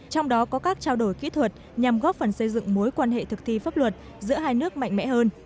trong đó có các trao đổi kỹ thuật nhằm góp phần xây dựng mối quan hệ thực thi pháp luật giữa hai nước mạnh mẽ hơn